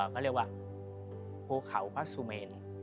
เขาเรียกว่าภูเขาพระสุเมน